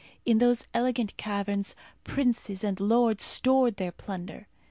In those elegant caverns princes and lords stored their plunder.